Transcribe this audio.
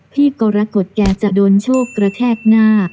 กรกฎแกจะโดนโชคกระแทกหน้า